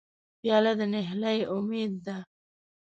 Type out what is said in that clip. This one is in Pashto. پیاله د نهیلۍ امید ده.